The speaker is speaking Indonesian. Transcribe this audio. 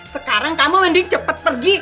sekarang kamu mending cepat pergi